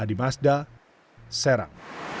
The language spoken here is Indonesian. adi mazda serang